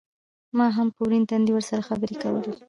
ما هم په ورين تندي ورسره خبرې کولې.